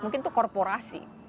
mungkin itu korporasi